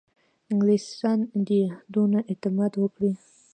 انګلیسیان دي دونه اعتماد وکړي.